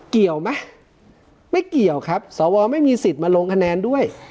เกี่ยวไหมไม่เกี่ยวครับสวไม่มีสิทธิ์มาลงคะแนนด้วย